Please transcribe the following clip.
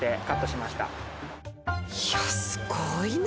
いやすごいな。